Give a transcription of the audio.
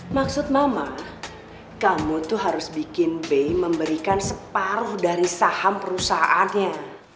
maksud mama kamu tuh harus bikin bay memberikan separuh dari saham perusahaannya